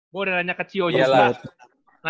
gue udah nanya ke cio juga